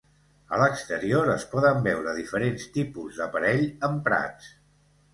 A l'exterior es poden veure diferents tipus d'aparell emprats.